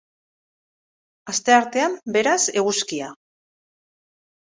Asteartean, beraz, eguzkia.